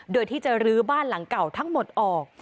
โดยที่จะลื้อบ้านหลังเก่าทั้งหมดออก